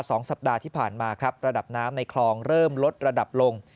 สองสัปดาห์ที่ผ่านมาครับระดับน้ำในคลองเริ่มลดระดับลง